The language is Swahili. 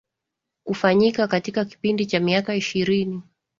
kufanyika katika kipindi cha miaka ishirini